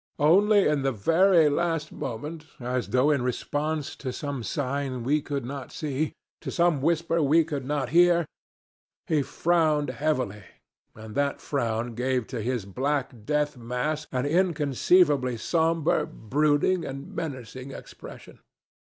Only in the very last moment, as though in response to some sign we could not see, to some whisper we could not hear, he frowned heavily, and that frown gave to his black death mask an inconceivably somber, brooding, and menacing expression.